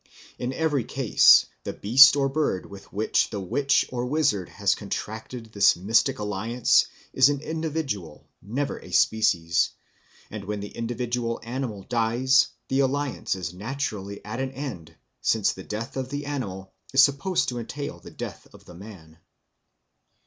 In every case the beast or bird with which the witch or wizard has contracted this mystic alliance is an individual, never a species; and when the individual animal dies the alliance is naturally at an end, since the death of the animal is supposed to entail the death of the man.